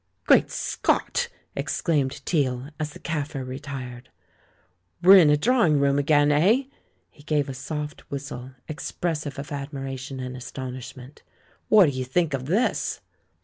"Great Scott!" exclaimed Teale, as the Kaffir retired. "We're in a drawing room again, eh?" He gave a soft whistle, expressive of admiration and astonishment. "What do you think of this?"